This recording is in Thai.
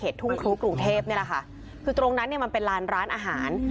ทุ่งครูกรุงเทพนี่แหละค่ะคือตรงนั้นเนี่ยมันเป็นลานร้านอาหาร